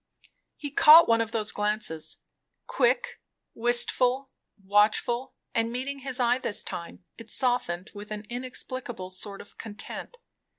He caught one of those glances; quick, wistful, watchful, and meeting his eye this time, it softened with an inexplicable sort of content.